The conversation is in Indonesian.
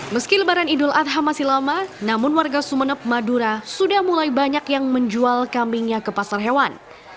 meski lebaran idul adha masih lama namun warga sumeneb madura sudah mulai banyak yang menjual kambingnya ke pasar hewan